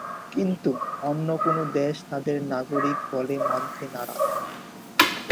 কিন্তু অন্য কোনো দেশ তাঁদের নাগরিক বলে মানতে নারাজ।